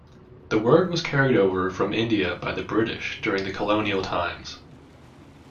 The word was carried over from India by the British during the colonial times.